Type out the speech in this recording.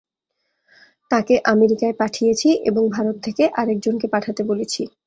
তাঁকে আমেরিকায় পাঠিয়েছি এবং ভারত থেকে আর একজনকে পাঠাতে বলেছি।